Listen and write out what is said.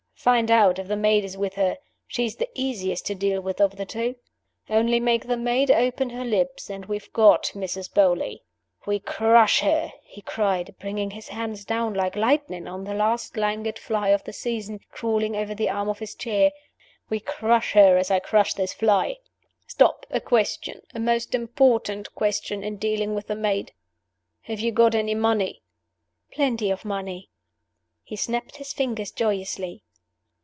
Find out if the maid is with her: she is the easiest to deal with of the two. Only make the maid open her lips, and we have got Mrs. Beauly. We crush her," he cried, bringing his hand down like lightning on the last languid fly of the season, crawling over the arm of his chair "we crush her as I crush this fly. Stop! A question a most important question in dealing with the maid. Have you got any money?" "Plenty of money." He snapped his fingers joyously.